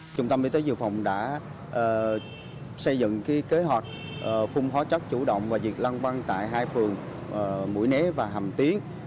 trung tâm y tế dự phòng đã xây dựng kế hoạch phung hóa chất chủ động và diệt long quăng tại hai phường mũi né và hàm tiến